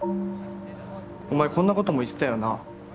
お前こんなことも言ってたよな。